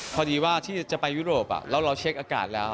พอดีว่าที่จะไปยุโรปแล้วเราเช็คอากาศแล้ว